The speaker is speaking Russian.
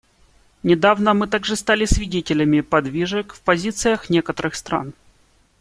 Недавно мы также стали свидетелями подвижек в позициях некоторых стран.